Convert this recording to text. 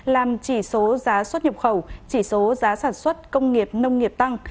làm chỉ số giá xuất nhập khẩu chỉ số giá sản xuất công nghiệp nông nghiệp tăng